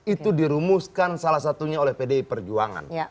itu dirumuskan salah satunya oleh pdi perjuangan